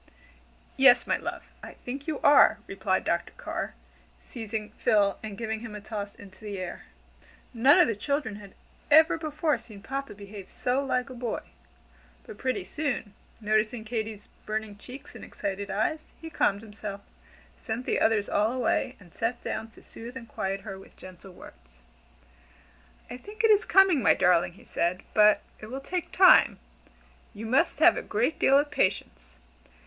"Yes, my love, I think you are," replied Dr. Carr, seizing Phil and giving him a toss into the air. None of the children had ever before seen Papa behave so like a boy. But pretty soon, noticing Katy's burning cheeks and excited eyes, he calmed himself, sent the others all away, and sat down to soothe and quiet her with gentle words. "I think it is coming, my darling," he said, "but it will take time, and you must have a great deal of patience.